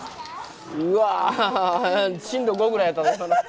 うわ震度５ぐらいやったで。